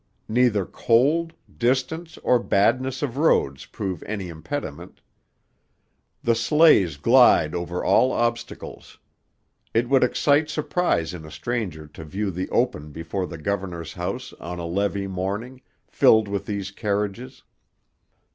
Neither cold, distance, or badness of roads prove any impediment. The sleighs glide over all obstacles. It would excite surprise in a stranger to view the open before the Governor's House on a levee morning, filled with these carriages.